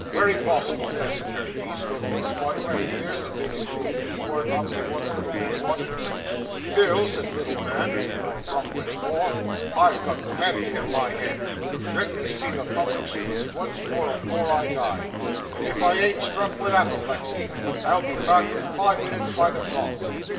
"Wery probable," says the turnkey, smoking his pipe wery fierce, and making believe he warn't up to wot the little man wanted. "Bill," says the little man, more abrupt than afore, "I've got the fancy in my head. Let me see the public streets once more afore I die; and if I ain't struck with apoplexy, I'll be back in five minits by the clock."